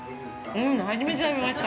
うん、初めて食べました。